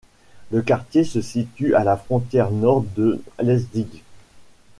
Le quartier se situe à la frontière nord de Leipzig.